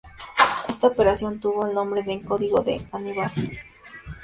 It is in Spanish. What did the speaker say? Esta operación tuvo el nombre en código de "Aníbal".